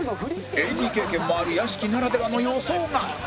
ＡＤ 経験もある屋敷ならではの予想が